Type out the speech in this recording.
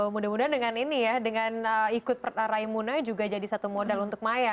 mudah mudahan dengan ini ya dengan ikut raimuna juga jadi satu modal untuk maya